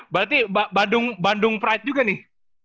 berarti bandung fight juga nih